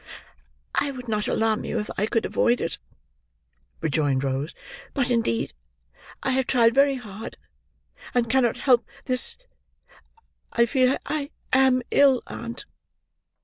"I would not alarm you if I could avoid it," rejoined Rose; "but indeed I have tried very hard, and cannot help this. I fear I am ill, aunt."